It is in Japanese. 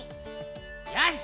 よし！